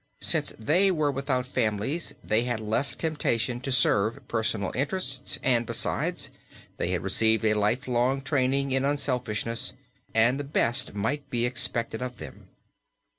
Since they were without families they had less temptation to serve personal interests and, besides, they had received a life long training in unselfishness, and the best might be expected of them.